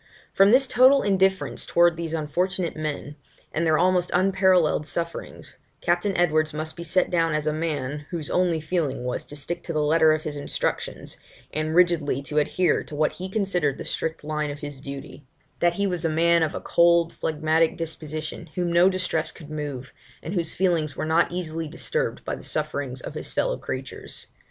From this total indifference towards these unfortunate men, and their almost unparalleled sufferings, Captain Edwards must be set down as a man, whose only feeling was to stick to the letter of his instructions, and rigidly to adhere to what he considered the strict line of his duty; that he was a man of a cold phlegmatic disposition, whom no distress could move, and whose feelings were not easily disturbed by the sufferings of his fellow creatures.